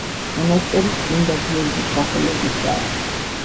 მონასტერი წმინდა გიორგის სახელობისაა.